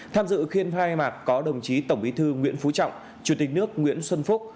tham dự phiên khai mạc có đồng chí tổng bí thư nguyễn phú trọng chủ tịch nước nguyễn xuân phúc